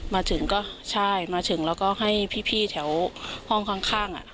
มาถึงก็ใช่มาถึงแล้วก็ให้พี่พี่แถวห้องข้างข้างอ่ะ